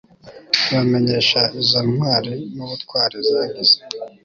tubamenyesha izo ntwari n'ubutwari zagize